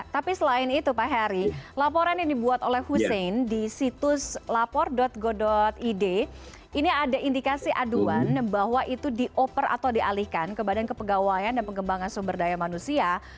tapi selain itu pak heri laporan yang dibuat oleh husein di situs lapor go id ini ada indikasi aduan bahwa itu dioper atau dialihkan ke badan kepegawaian dan pengembangan sumber daya manusia